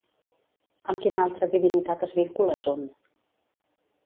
Amb quina altra divinitat es vincula Zun?